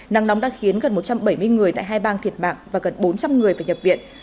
nắng nóng đã khiến gần một trăm bảy mươi người tại hai bang thiệt mạng và gần bốn trăm linh người phải nhập viện